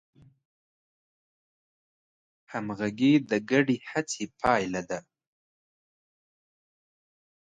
همغږي د ګډې هڅې پایله ده.